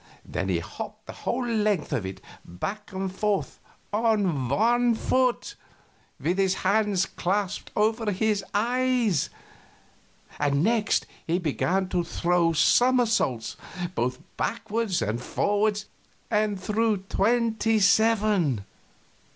Then he hopped the whole length of it back and forth on one foot, with his hands clasped over his eyes; and next he began to throw somersaults, both backward and forward, and threw twenty seven.